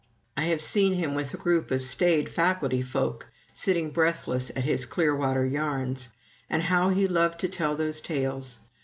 I have seen him with a group of staid faculty folk sitting breathless at his Clearwater yarns; and how he loved to tell those tales!